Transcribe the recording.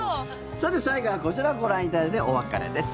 さて、最後はこちらをご覧いただいてお別れです。